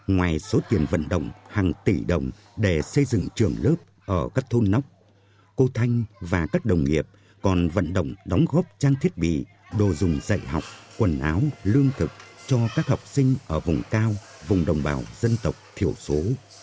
ngoài số tiền vận động hàng tỷ đồng để xây dựng trường lớp ở các thôn nóc cô thanh và các đồng nghiệp còn vận động đóng góp trang thiết bị đồ dùng dạy học quần áo lương thực cho các học sinh ở vùng cao vùng đồng bào dân tộc thiểu số